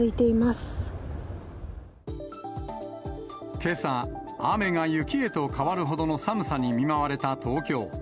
けさ、雨が雪へと変わるほどの寒さに見舞われた東京。